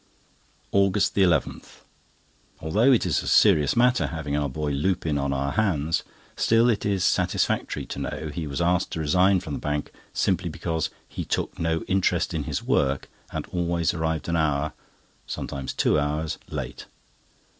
AUGUST 11.—Although it is a serious matter having our boy Lupin on our hands, still it is satisfactory to know he was asked to resign from the Bank simply because "he took no interest in his work, and always arrived an hour (sometimes two hours) late."